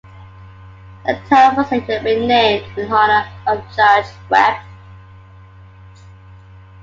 The town was later renamed in honor of Judge Webb.